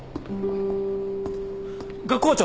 学校長！